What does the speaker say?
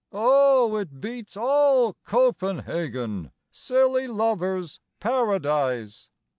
Oh, it beats all "Copenhagen," Silly lovers' paradise!